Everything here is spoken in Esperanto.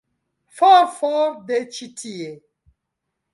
For, for de ĉi tie!